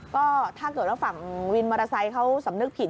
ก็ถ้าเกิดว่าฝั่งวินมอเตอร์ไซค์เขาสำนึกผิด